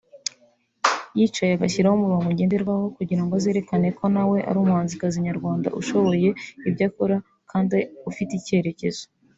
yicaye agashyiraho umurongo ngenderwaho kugira ngo azerekane ko nawe ari umuhanzikazi nyarwanda ushoboye ibyo akora kandi ufite icyerekezo